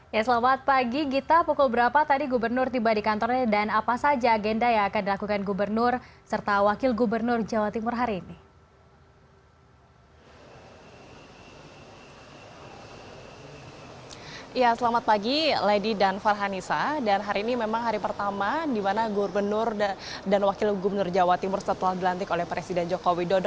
ya selamat pagi gita pukul berapa tadi gubernur tiba di kantornya dan apa saja agenda yang akan dilakukan gubernur serta wakil gubernur jawa timur hari ini